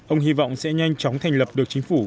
ông hy vọng sẽ nhanh chóng thành lập được chính phủ